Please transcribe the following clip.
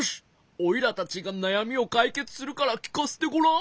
おいらたちがなやみをかいけつするからきかせてごらん。